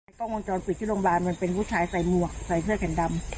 กล้องวงจรปิดที่โรงพยาบาลมันเป็นผู้ชายใส่หมวกใส่เสื้อแขนดำ